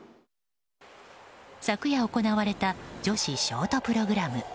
昨夜行われた女子ショートプログラム。